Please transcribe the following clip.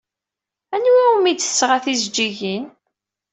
Anwa umi d-tesɣa tijeǧǧigin?